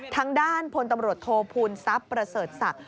ทางด้านพลตำรวจโทษภูมิทรัพย์ประเสริฐศักดิ์